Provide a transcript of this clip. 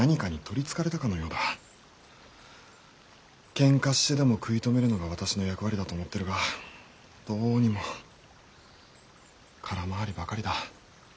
ケンカしてでも食い止めるのが私の役割だと思ってるがどうにも空回りばかりだ。